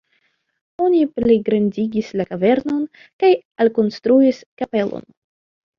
Oni pligrandigis la kavernon kaj alkonstruis kapelon.